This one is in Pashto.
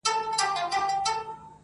• چي بیا به څه ډول حالت وي، د ملنگ.